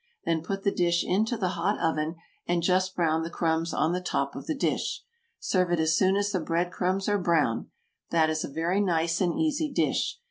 Then put the dish into the hot oven, and just brown the crumbs on the top of the dish. Serve it as soon as the bread crumbs are brown. That is a very nice and easy dish.